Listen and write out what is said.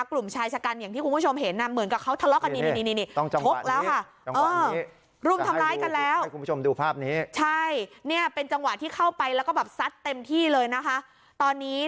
กลุ่มชายชะกันอย่างที่คุณผู้ชมเห็นเหมือนกับเขาทะเลาะกันแล้ว